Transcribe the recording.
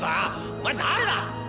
お前誰だ！